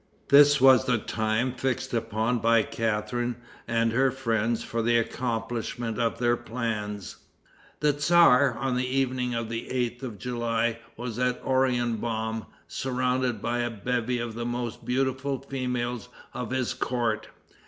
This was the time fixed upon by Catharine and her friends for the accomplishment of their plans. The tzar, on the evening of the 8th of July, was at Oranienbaum, surrounded by a bevy of the most beautiful females of his court.